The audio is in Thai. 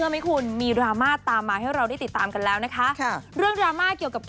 ไม่ว่าพอหรอกครับ